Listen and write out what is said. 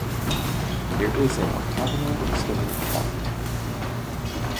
There is an octagonal stone font.